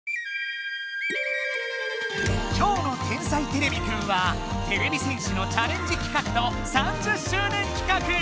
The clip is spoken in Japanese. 今日の「天才てれびくん」はてれび戦士のチャレンジ企画と３０周年企画！